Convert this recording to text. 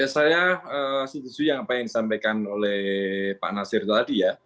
saya institusi yang ingin disampaikan oleh pak nasir tadi ya